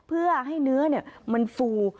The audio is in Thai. เพื่อให้เนื้อมันฟู